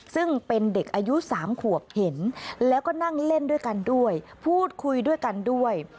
ซึ่งเป็นเด็กอายุ๓ขวบเห็นแล้วก็นั่งเล่นด้วยกันด้วยพูดคุยด้วยกันด้วย